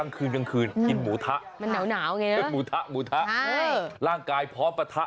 กลางคืนกินหมูทะมันหนาวอย่างนี้หมูทะหมูทะใช่ร่างกายพร้อมประทะ